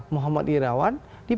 muhammad irawan di